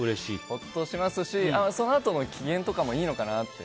ほっとしますしそのあとの機嫌とかもいいのかなって。